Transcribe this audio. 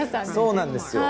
そうなんですよ